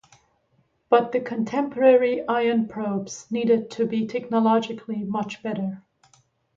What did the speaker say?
But the contemporary ion probes needed to be technologically much better.